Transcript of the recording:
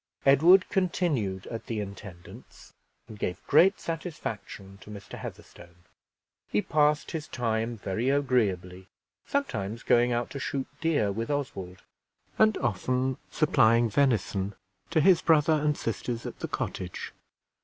Edward continued at the intendant's, and gave great satisfaction to Mr. Heatherstone. He passed his time very agreeably, sometimes going out to shoot deer with Oswald, and often supplying venison to his brother and sisters at the cottage.